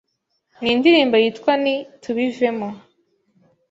nindirimbo yitwa Ni “Tubivemo”